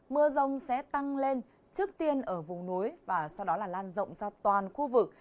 mưa rông sẽ tăng lên trước tiên ở vùng núi và sau đó là lan rộng ra toàn khu vực